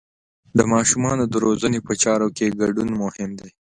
د ماشومانو د روزنې په چارو کې ګډون مهم دی.